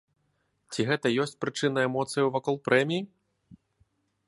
Ці гэта ёсць прычына эмоцыяў вакол прэміі?